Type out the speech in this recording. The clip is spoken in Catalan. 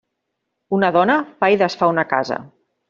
Una dona fa i desfà una casa.